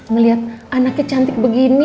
melihat anaknya cantik begini